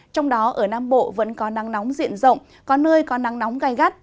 trong đó ở nam bộ vẫn có nắng nóng diện rộng có nơi có nắng nóng gai gắt